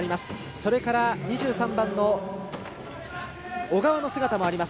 それから２３番の小川の姿もあります。